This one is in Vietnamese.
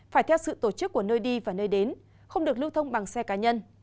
phải theo sự tổ chức của nơi đi và nơi đến không được lưu thông bằng xe cá nhân